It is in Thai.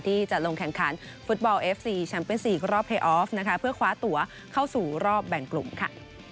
ที่จะลงแข่งขันฟุตบอลเอฟซีแชมเปญซีกรอบให้ออฟนะคะเพื่อคว้าตัวเข้าสู่รอบแบ่งกลุ่มค่ะ